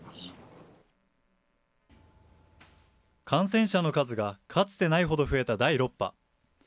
感染者の数がかつてないほど増えた第６波。